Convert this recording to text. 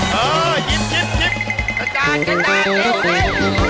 หยิบกระจานหยิบกระจาน